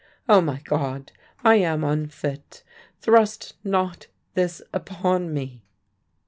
"Oh, my God, I am unfit thrust not this upon me!"